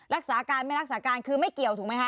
รักษาการไม่รักษาการคือไม่เกี่ยวถูกไหมคะ